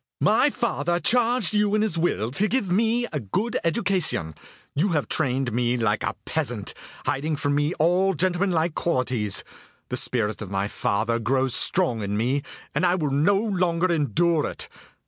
"My father charged you in his will to give me a good education. You have trained me like a peasant, hiding from me all gentleman like qualities. The spirit of my father grows strong in me, and I will no longer endure it.